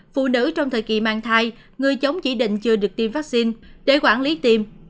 phụ nữ trong thời kỳ mang thai người chồng chỉ định chưa được tiêm vaccine để quản lý tiêm